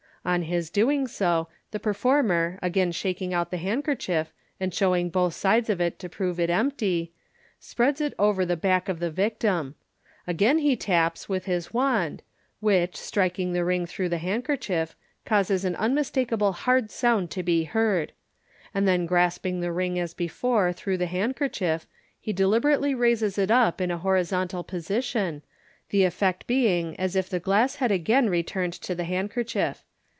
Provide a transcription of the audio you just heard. On his doing so, the performer, again shaking out the handkerchief, and showing both sides of it to prove it empty, spreads it over the back of the victim. Again he taps with his wand, which, striking the ring through the handkerchief, causes an unmistakeable hard sound to be heard j and then grasping the ring as before through the handkerchief, he deliberately raises it up in a horizontal position, the effect being as if the glass had again returned to the handkerchief.